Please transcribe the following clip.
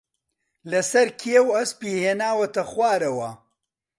لەسەر کێو ئەسپی ھێناوەتە خوارەوە